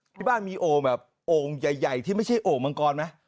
ที่บ้านมีโอ่งแบบโอ่งใหญ่ที่ไม่ใช่โอ่งมังกรไหม